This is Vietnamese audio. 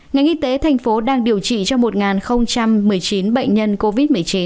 ngành y tế thành phố đang điều trị cho một một mươi chín bệnh nhân covid một mươi chín